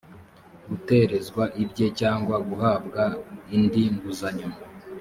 guterezwa ibye cyangwa guhabwa indi nguzanyo